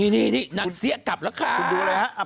นางเสี้ยกลับล่ะค้า